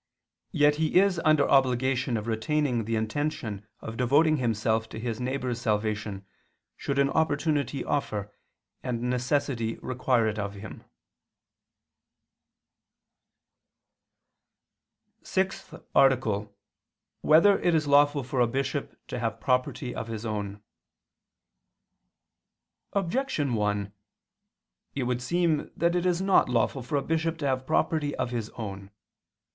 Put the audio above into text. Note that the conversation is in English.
Yet he is under the obligation of retaining the intention of devoting himself to his neighbor's salvation, should an opportunity offer, and necessity require it of him. _______________________ SIXTH ARTICLE [II II, Q. 185, Art. 6] Whether It Is Lawful for a Bishop to Have Property of His Own? Objection 1: It would seem that it is not lawful for a bishop to have property of his own.